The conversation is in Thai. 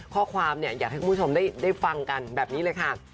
ข้อความอยากให้คุณผู้ชมได้ฟังกันแบบนี้เลยค่ะ